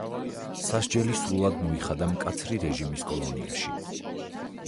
სასჯელი სრულად მოიხადა მკაცრი რეჟიმის კოლონიაში.